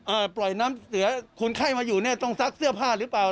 ปล่อยน้ำเสือคนไข้มาอยู่เนี่ยต้องซักเสื้อผ้าหรือเปล่า